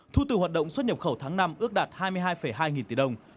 thu từ hoạt động xuất nhập khẩu tháng năm ước đạt hai mươi hai hai nghìn tỷ đồng